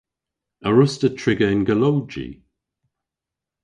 A wruss'ta triga yn golowji?